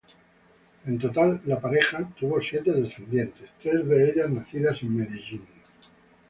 En total la pareja tuvo siete descendientes, tres de ellas nacidas en Medellín.